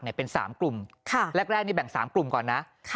เนี่ยเป็นสามกลุ่มค่ะแรกแรกนี้แบ่งสามกลุ่มก่อนน่ะค่ะ